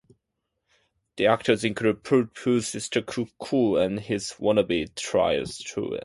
The actors include Piu-piu, Sister Cuckoo, and his wanna-be Triad students.